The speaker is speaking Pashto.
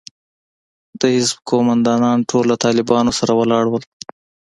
د حزب قومندانان ټول له طالبانو سره ولاړ وو.